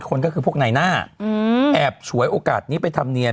ผมไม่ได้เน็บอะไรครับ